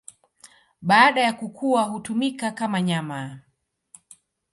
Baada ya kukua hutumika kama nyama.